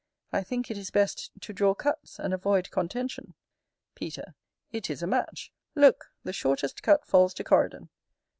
I think it is best to draw cuts, and avoid contention. Peter. It is a match. Look, the shortest cut falls to Coridon.